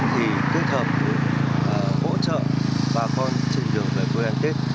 thì kết hợp hỗ trợ bà con trên đường về quê ăn tết